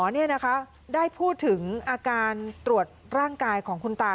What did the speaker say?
นี่นะคะได้พูดถึงอาการตรวจร่างกายของคุณตา